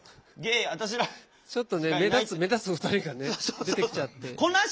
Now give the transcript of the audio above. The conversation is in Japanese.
ちょっとね目立つ２人がね出てきちゃって。